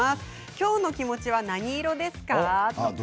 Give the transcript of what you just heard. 今日の気持ちは何色ですか？